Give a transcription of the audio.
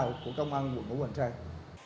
một vụ trộm khác trên địa bàn thành phố